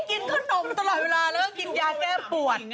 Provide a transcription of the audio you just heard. กินขนมตลอดเวลาแล้วก็กินยาแก้ปวด